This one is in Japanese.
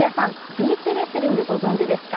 ビーチレスリングご存じですか？